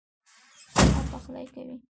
هغه پخلی کوي